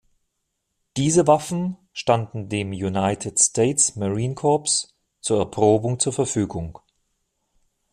Diese Waffen standen dem United States Marine Corps zur Erprobung zur Verfügung.